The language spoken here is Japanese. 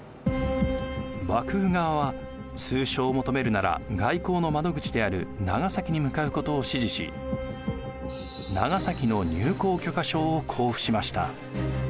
幕府側は通商を求めるなら外交の窓口である長崎に向かうことを指示し長崎の入港許可証を交付しました。